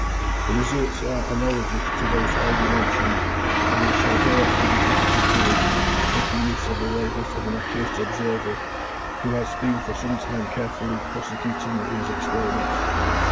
The results are analogous to those already mentioned, and we shall hereafter give the particulars, making use of the labours of an accurate observer, who has been for some time carefully prosecuting these experiments.